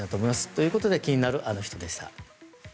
ということで気になるアノ人でした。